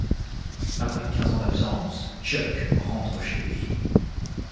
Après quinze ans d'absence, Chuck rentre chez lui.